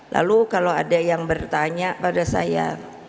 lalu kalau ada yang bertanya pada saya